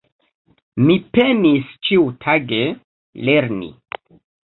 Mi penis ĉiutage lerni.